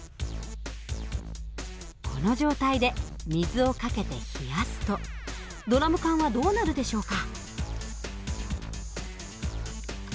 この状態で水をかけて冷やすとドラム缶はどうなるでしょうか？